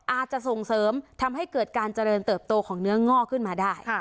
อาจจะส่งเสริมทำให้เกิดการเจริญเติบโตของเนื้องอกขึ้นมาได้